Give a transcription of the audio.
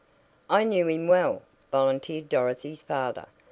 "I knew him well," volunteered Dorothy's father.